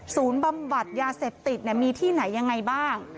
ศูนย์บำบัดยาเสพติดเนี่ยมีที่ไหนยังไงบ้าง